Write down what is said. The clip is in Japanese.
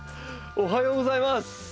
おはようございます。